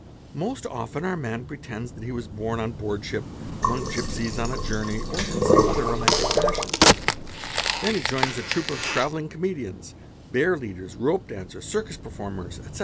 Most often our man pretend: that he was born on boardship, among gipsies, on a journey, or in some other romantic fashion; then he joins a troup of travelling comedians bearleaders, rope dancers, circus performers, etc.